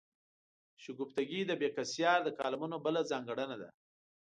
شګفتګي د بېکسیار د کالمونو بله ځانګړنه ده.